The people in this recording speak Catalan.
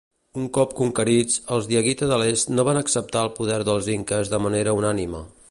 Un cop conquerits, els diaguita de l'est no van acceptar el poder dels inques de manera unànime.